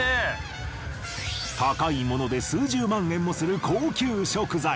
高いもので数十万円もする高級食材。